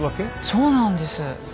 そうなんです。